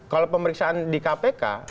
kalau pemeriksaan di kpk